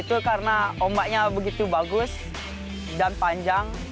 itu karena ombaknya begitu bagus dan panjang